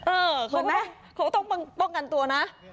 เออเขาก็ต้องป้องกันตัวนะ